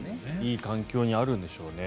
いい環境にあるんでしょうね。